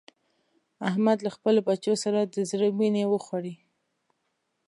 احمد له خپلو بچو سره د زړه وينې وخوړې.